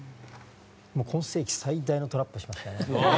今世紀最大のトラップをしましたね。